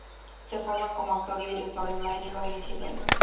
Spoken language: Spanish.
Se forma como actor y director en Madrid, Valencia y Londres.